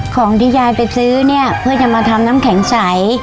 ของที่ยายไปซื้อเนี่ยเพื่อจะมาทำน้ำแข็งใส